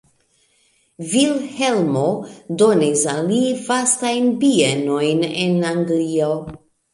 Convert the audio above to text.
Vilhelmo donis al li vastajn bienojn en Anglio.